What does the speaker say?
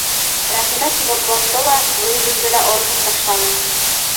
Рәхимә Тимербулатты ла, Гөлйөҙөмдө лә орошоп ташланы.